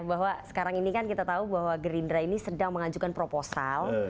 bahwa sekarang ini kan kita tahu bahwa gerindra ini sedang mengajukan proposal